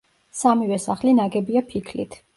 სამივე სახლი ნაგებია ფიქლით.